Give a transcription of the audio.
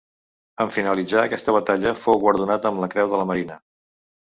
En finalitzar aquesta batalla fou guardonat amb la Creu de la Marina.